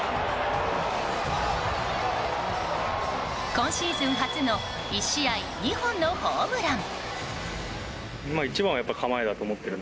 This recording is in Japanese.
今シーズン初の１試合２本のホームラン。